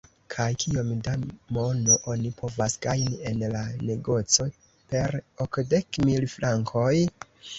kaj kiom da mono oni povas gajni en la negoco per okdek mil frankoj?